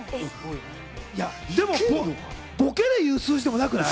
でもボケでいう数字でもなくない？